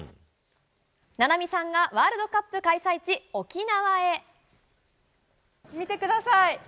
菜波さんがワールドカップ開催地、見てください。